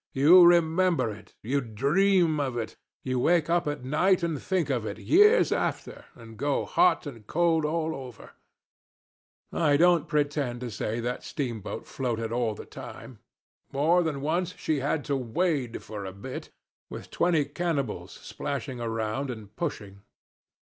You remember it, you dream of it, you wake up at night and think of it years after and go hot and cold all over. I don't pretend to say that steamboat floated all the time. More than once she had to wade for a bit, with twenty cannibals splashing around and pushing.